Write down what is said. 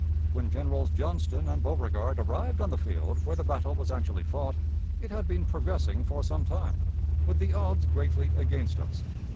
When Generals Johnston and Beauregard arrived on the field where the battle was actually fought, it had been progressing for some time, with the odds greatly against us.